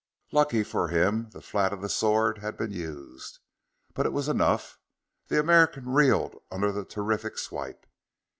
Lucky for him, the flat of the sword had been used but it was enough. The American reeled under the terrific swipe.